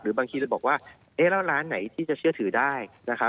หรือบางทีได้บอกว่ะแน่ละร้านไหนที่เชื่อถือได้